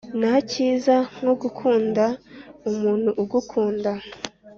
Ntakiza nkogukunda umuntu ugukunda